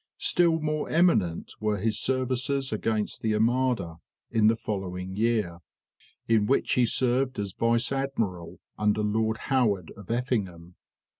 Still more eminent were his services against the Armada in the following year, in which he served as vice admiral under Lord Howard of Effingham.